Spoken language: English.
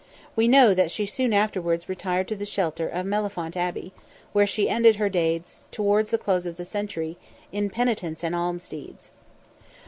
We know that she soon afterwards retired to the shelter of Mellifont Abbey, where she ended her days towards the close of the century, in penitence and alms deeds.